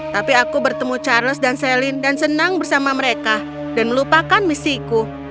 tapi aku bertemu charles dan celine dan senang bersama mereka dan melupakan misiku